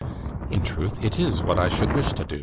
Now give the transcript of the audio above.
In truth, it is what I should wish to do.